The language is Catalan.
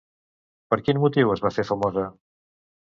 Per quin motiu es va fer famosa?